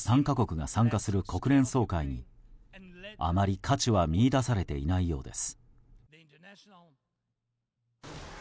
１９３か国が参加する国連総会にあまり価値は見いだされていないようです。